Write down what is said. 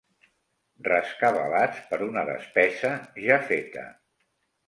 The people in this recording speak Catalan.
Rescabalats per un despesa ja feta.